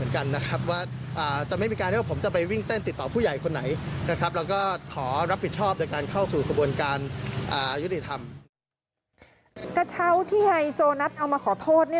กระเช้าที่ไฮโซนัทเอามาขอโทษ